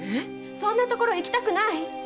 そんな所行きたくない！